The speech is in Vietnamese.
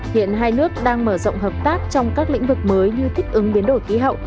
hiện hai nước đang mở rộng hợp tác trong các lĩnh vực mới như thích ứng biến đổi khí hậu